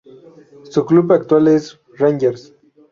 Su club actual es Rangers.